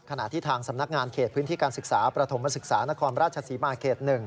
ขณะที่ทางสำนักงานเขตพื้นที่การศึกษาประถมศึกษานครราชศรีมาเขต๑